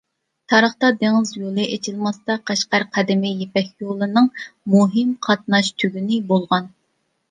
تارىختا دېڭىز يولى ئېچىلماستا، قەشقەر قەدىمكى «يىپەك يولى» نىڭ مۇھىم قاتناش تۈگۈنى بولغان.